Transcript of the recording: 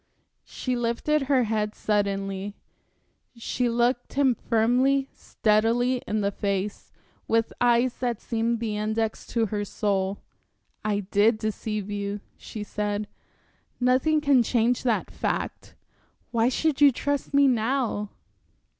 She lifted her head suddenly, she looked him firmly, steadily, in the face, with eyes that seemed the index to her soul. "I did deceive you," she said. "Nothing can change that fact. Why should you trust me now?"